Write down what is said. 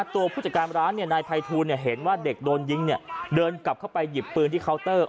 ผู้จัดการร้านนายภัยทูลเห็นว่าเด็กโดนยิงเดินกลับเข้าไปหยิบปืนที่เคาน์เตอร์